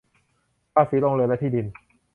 ภาษีโรงเรือนและที่ดิน